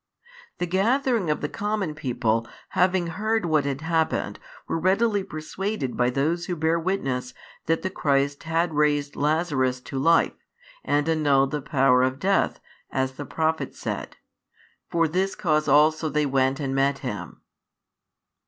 The gathering of the common people, having heard what had happened, were readily persuaded by those who bare witness that the Christ had raised Lazarus to life, and annulled the power of death, as the prophets said: for this cause also they went and met Him.